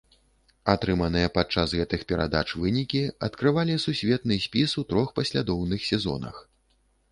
Атрыманыя падчас гэтых перадач вынікі адкрывалі сусветны спіс у трох паслядоўных сезонах.